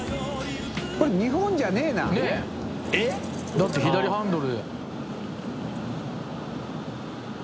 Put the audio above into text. だって左ハンドル。